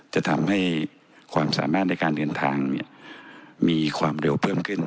จะทำให้ความสามารถในการเดินทางมีความเร็วเพิ่มขึ้น